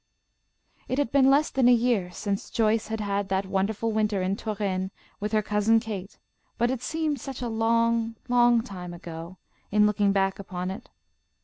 It had been less than a year since Joyce had had that wonderful winter in Touraine with her cousin Kate, but it seemed such a long, long time ago, in looking back upon it.